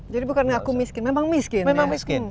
jadi bukan ngaku miskin memang miskin ya